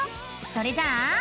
それじゃあ。